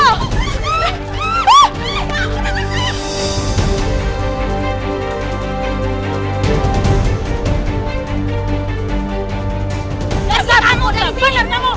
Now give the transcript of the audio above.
udah selesai kamu udah selesai kamu